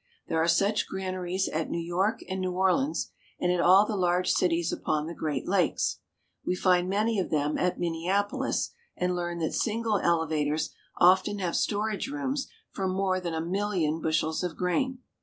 There are such granaries at New York and New Orleans, and at all the large cities upon the Great Lakes. We find many of them at MinneapoHs, and learn that single elevators often have storage room for more than a million bushels of grain.